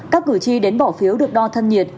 các cử tri đến bỏ phiếu được đo thân nhiệt